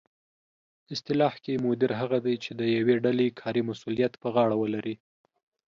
اصطلاح کې مدیر هغه دی چې د یوې ډلې کاري مسؤلیت په غاړه ولري